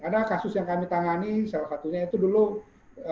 ada kasus yang kami tangani salah satunya itu dulu petrus ya